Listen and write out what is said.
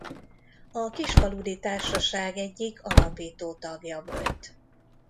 A Kisfaludy Társaság egyik alapító tagja volt.